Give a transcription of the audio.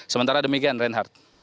sementara demikian reinhardt